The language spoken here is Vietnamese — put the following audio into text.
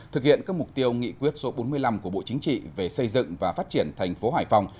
thực hiện các mục tiêu nghị quyết số bốn mươi năm của bộ chính trị về xây dựng và phát triển thành phố hải phòng